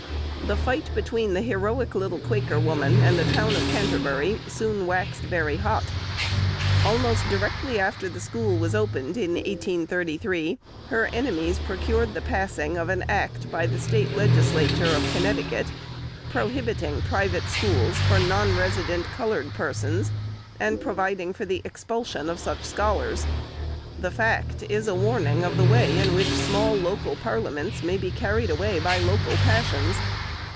The fight between the heroic little Quaker woman and the town of Canterbury soon waxed very hot. Almost directly after the school was opened in 1833, her enemies procured the passing of an Act by the State Legislature of Connecticut, prohibiting private schools for non resident coloured persons, and providing for the expulsion of such scholars. The fact is a warning of the way in which small local parliaments may be carried away by local passions.